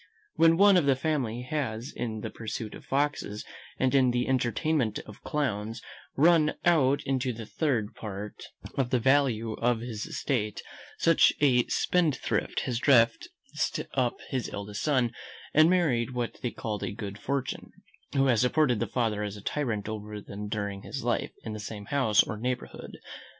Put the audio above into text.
When one of the family has in the pursuit of foxes, and in the entertainment of clowns, run out the third part of the value of his estate, such a spendthrift has dressed up his eldest son, and married what they call a good fortune: who has supported the father as a tyrant over them during his life, in the same house or neighbourhood.